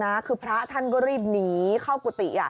และอย่างหนึ่งพระท่านก็รีบหนีเข้ากุฏิ